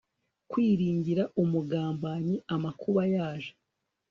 kwiringira umugambanyi amakuba yaje